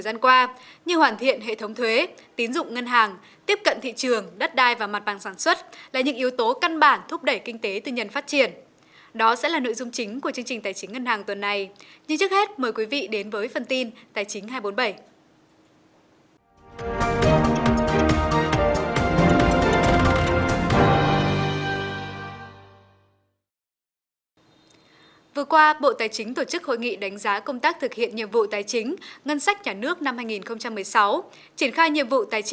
vừa qua bộ tài chính tổ chức hội nghị đánh giá công tác thực hiện nhiệm vụ tài chính ngân sách nhà nước năm hai nghìn một mươi sáu triển khai nhiệm vụ tài chính ngân sách nhà nước năm hai nghìn một mươi bảy